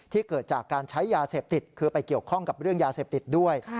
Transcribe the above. เกิดจากการใช้ยาเสพติดคือไปเกี่ยวข้องกับเรื่องยาเสพติดด้วย